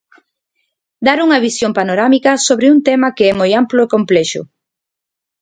Dar unha visión panorámica sobre un tema que é moi amplo e complexo.